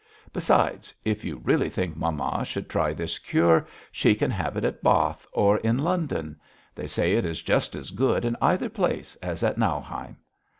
Besides, if you really think mamma should try this cure she can have it at Bath or in London. They say it is just as good in either place as at Nauheim.'